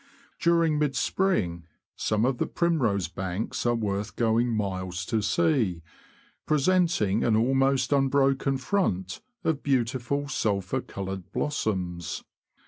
During mid spring, some of the primrose banks are worth going miles to see, presenting an almost unbroken front of beautiful sulphur coloured blossoms.